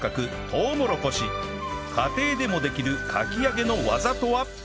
家庭でもできるかき揚げの技とは？